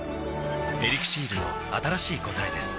「エリクシール」の新しい答えです